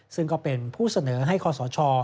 ซึ่งก็เป็นผู้เสนอให้คอสช